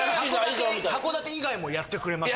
・函館以外もやってくれます。